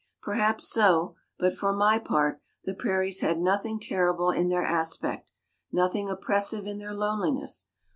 Perhaps so, but, for my part, the prairies had nothing terrible in their aspect, nothing oppressive in their loneliness.